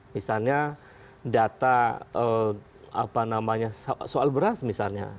misalnya data soal beras misalnya